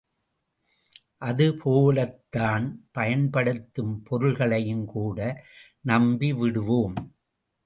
அது போலத்தான் பயன்படுத்தும் பொருள்களையும் கூட நம்பி விடுவோம்!